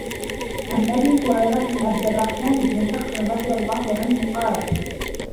عَن أبي هُريرةَ عَبدِ الرَّحمنِ بنِ صَخْرٍ رَضِي اللهُ عَنْهُ قالَ: